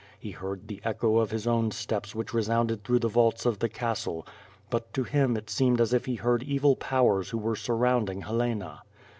He heard the echo of his own steps which resounded through the vaults of the castle; but to him it seemed as if he heard evil powers who were surrounding Helena.